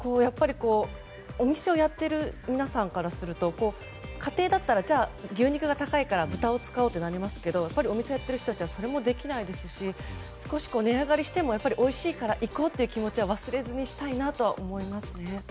お店をやっている皆さんからすると家庭だったらじゃあ牛肉が高いから豚を使おうとなりますがお店をやってる方はそれもできないですし少し値上がりしてもおいしいから行こうという気持ちは忘れずにしたいなと思いますね。